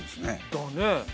だね。